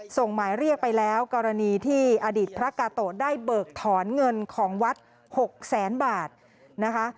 ส่งหมายเรียกไปแล้วกรณีที่อดีตพระกาโตะได้เบิกถอนเงินของวัด๖แสนบาทนะคะ